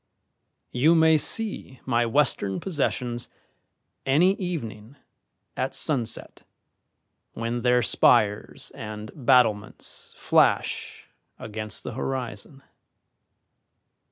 You may see my western possessions any evening at sunset when their spires and battlements flash against the horizon.